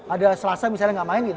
ada selasa misalnya nggak main gitu